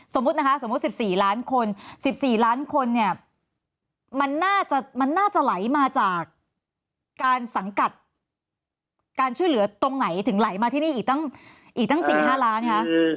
นะคะสมมุติ๑๔ล้านคน๑๔ล้านคนเนี่ยมันน่าจะไหลมาจากการสังกัดการช่วยเหลือตรงไหนถึงไหลมาที่นี่อีกตั้ง๔๕ล้านคะ